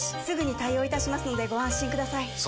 すぐに対応いたしますのでご安心ください